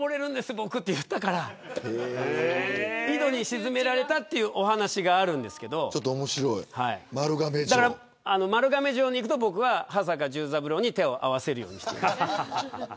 僕と言ったから井戸に沈められたというお話があるんですけど丸亀城に行くと僕は羽坂重三郎に手を合わせるようにしています。